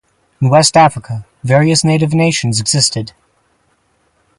In West Africa, various native nations existed.